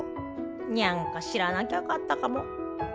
にゃんか知らなきゃよかったかも。